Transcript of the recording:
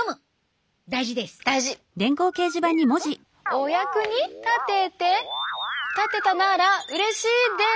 お役に立てて立てたならうれしいです。